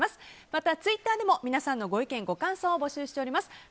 また、ツイッターでも皆さんのご意見、ご感想をお待ちしております。